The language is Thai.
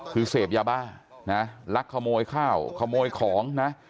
คือเสพยาบ้านะลักขโมยข้าวขโมยของนะ